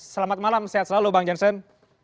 selamat malam sehat selalu bang jansen